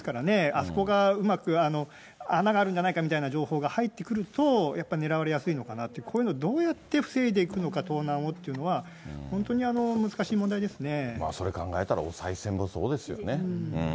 あそこがうまく、穴があるんじゃないかみたいな情報が入ってくると、やっぱり狙われやすいのかなって、こういうの、どうやって防いでいくのか、盗難をというのは、本当それ考えたら、おさい銭もそうですよね。